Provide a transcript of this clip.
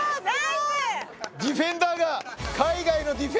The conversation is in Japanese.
ディフェンダーが！